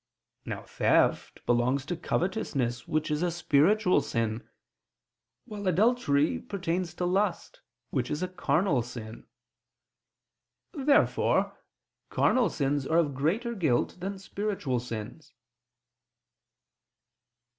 Now theft belongs to covetousness, which is a spiritual sin; while adultery pertains to lust, which is a carnal sin. Therefore carnal sins are of greater guilt than spiritual sins.